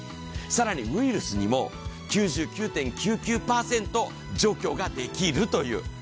更にウイルスにも９９．９９％除去ができるという。